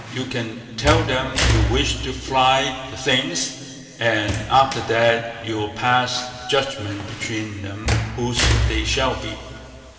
You can tell them you wish to try the things, and after that, you'll pass judgment between them, whose they shall be".